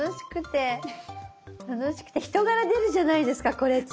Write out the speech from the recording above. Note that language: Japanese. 楽しくて人柄出るじゃないですかこれって。